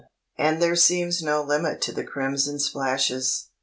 And there seems no limit to the crimson splashes.